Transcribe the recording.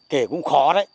kể cũng khó đấy